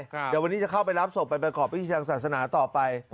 เดี๋ยววันนี้จะเข้าไปรับศพไปประกอบพิธีทางศาสนาต่อไป